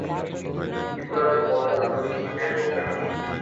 বিপ্রদাস বললে, তাতেও তুমি পেরে উঠবে না।